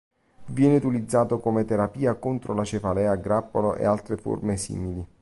Viene utilizzato come terapia contro la cefalea a grappolo e altre forme simili.